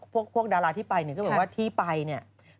พวกดาราที่ไปเนี่ยแบบว่าที่ไปเนี่ยแล้วก็ได้แรงบัญนาจัย